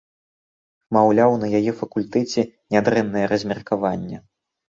Маўляў, на яе факультэце нядрэннае размеркаванне.